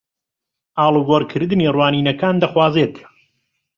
ئاڵوگۆڕکردنی ڕوانینەکان دەخوازێت